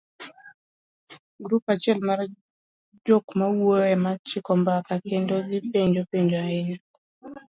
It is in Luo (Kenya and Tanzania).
Grup achiel mar jokmawuoyo ema chiko mbaka kendo gipenjo penjo ahinya,